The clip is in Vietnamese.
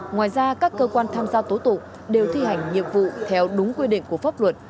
ngoài ra các cơ quan tham gia tố tụng đều thi hành nhiệm vụ theo đúng quy định của pháp luật